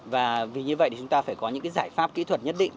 và vì như vậy thì chúng ta phải có những giải pháp kỹ thuật nhất định